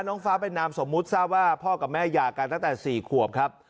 น้องฟ้าเป็นนามสมมุติทราบว่าพ่อกับแม่หย่ากันตั้งแต่๔ขวบครับ